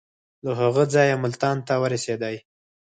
له هغه ځایه ملتان ته ورسېدی.